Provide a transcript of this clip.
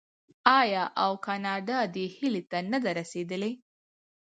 آیا او کاناډا دې هیلې ته نه ده رسیدلې؟